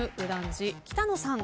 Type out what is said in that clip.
次北野さん。